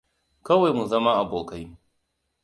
Kawai mu zama abokai.